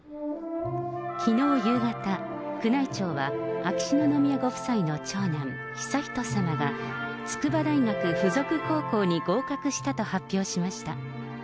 きのう夕方、宮内庁は秋篠宮ご夫妻の長男、悠仁さまが筑波大学附属高校に合格したと発表しました。